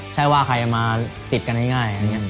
ใช่ว่าใครมาติดกันง่าย